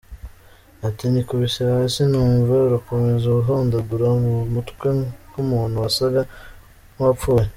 Ati : “Nikubise hasi ntumva, urakomeza uhondagura mu mutwe h’umuntu wasaga nk’uwapfuye.